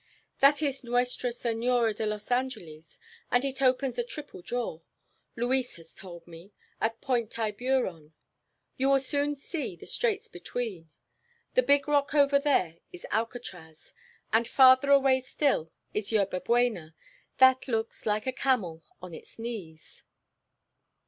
"That is Nuestra Senora de los Angeles, and it opens a triple jaw, Luis has told me, at Point Tiburon you will soon see the straits between. The big rock over there is Alcatraz, and farther away still is Yerba Buena that looks like a camel on its knees."